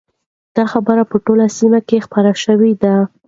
دا خبره په ټوله سیمه کې خپره شوې ده.